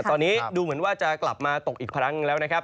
ตอนนี้ดูเหมือนว่าจะกลับมาตกอีกครั้งหนึ่งแล้วนะครับ